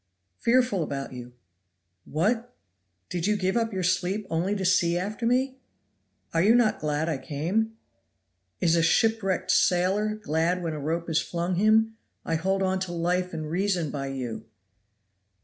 "Fearful about you." "What! did you give up your sleep only to see after me?" "Are you not glad I came?" "Is a shipwrecked sailor glad when a rope is flung him? I hold on to life and reason by you!"